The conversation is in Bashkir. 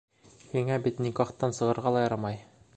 Һиңә бит никахтан сығырға ла ярамай.